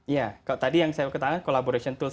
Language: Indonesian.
iya tadi yang saya ketahui collaboration tools